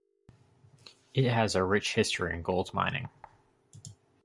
It has a rich history in gold mining.